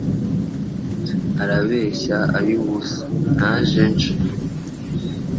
Arabeshya ay’ubusa naje nje!